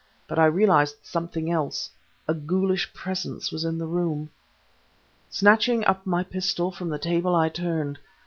but I realized something else. A ghoulish presence was in the room. Snatching up my pistol from the table I turned.